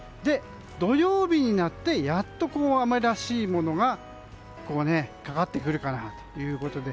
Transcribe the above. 土曜日になってやっと雨らしいものがかかってくるかなということで。